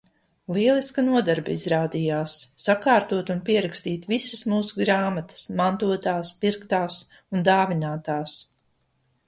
Lieliska nodarbe izrādījās sakārtot un pierakstīt visas mūsu grāmatas – mantotās, pirktās un dāvinātās.